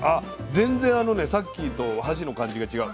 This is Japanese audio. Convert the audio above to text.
全然さっきと箸の感じが違う。